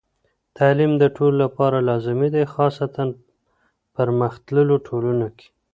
تعلیم د ټولو لپاره لازمي دی، خاصتاً پرمختللو ټولنو کې.